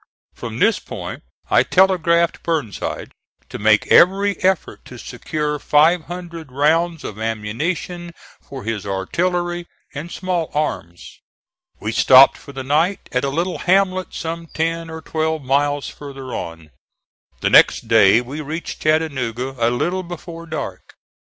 From this point I telegraphed Burnside to make every effort to secure five hundred rounds of ammunition for his artillery and small arms. We stopped for the night at a little hamlet some ten or twelve miles farther on. The next day we reached Chattanooga a little before dark.